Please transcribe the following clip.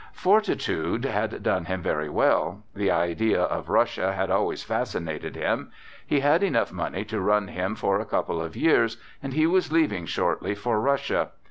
"Fortitude" had done him very well. The idea of Russia had always fascinated him; he had enough money to run him for a couple of years, and he was leaving shortly for Russia.